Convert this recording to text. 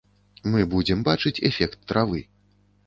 Мы будзем бачыць эфект травы.